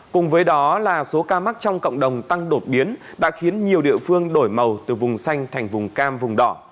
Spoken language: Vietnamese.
cùng với đó là số ca mắc trong cộng đồng tăng đột biến đã khiến nhiều địa phương đổi màu từ vùng xanh thành vùng cam vùng đỏ